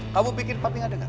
kamu bikin papi gak dengar